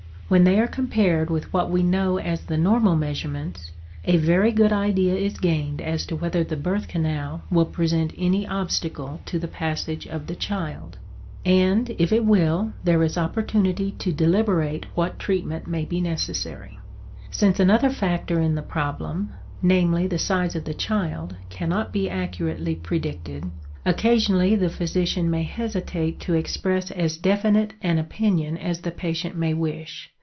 When they are compared with what we know as the normal measurements, a very good idea is gained as to whether the birth canal will present any obstacle to the passage of the child; and, if it will, there is opportunity to deliberate what treatment may be necessary. Since another factor in the problem, namely, the size of the child, cannot be accurately predicted, occasionally the physician may hesitate to express as definite an opinion as the patient may wish.